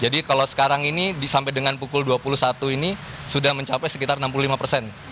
jadi kalau sekarang ini sampai dengan pukul dua puluh satu ini sudah mencapai sekitar enam puluh lima persen